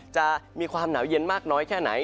จะมีความหนาวเย็นมากน้อยแค่ไหน